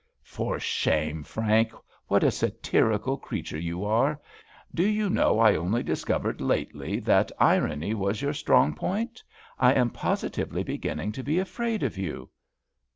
"For shame, Frank! what a satirical creature you are! Do you know I only discovered lately that irony was your strong point? I am positively beginning to be afraid of you."